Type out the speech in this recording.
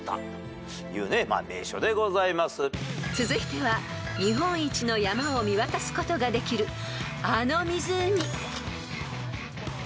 ［続いては日本一の山を見渡すことができるあの湖］